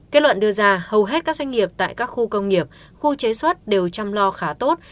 kết luận đưa ra hầu hết các doanh nghiệp tại các khu công nghiệp khu chế xuất đều chăm lo khá tốt